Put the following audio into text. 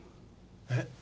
えっ？